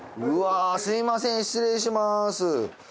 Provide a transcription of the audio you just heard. うわぁすみません失礼します！